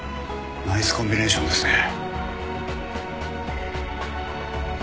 ナイスコンビネーションですね。